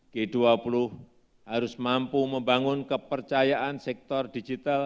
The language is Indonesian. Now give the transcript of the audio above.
g dua puluh harus mampu membangun kepercayaan sektor digital